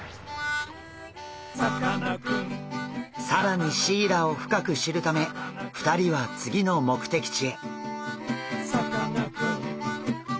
更にシイラを深く知るため２人は次の目的地へ。